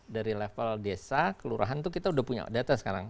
dari level desa kelurahan itu kita udah punya data sekarang